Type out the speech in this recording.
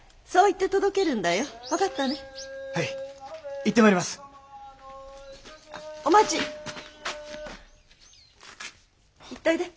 行っといで。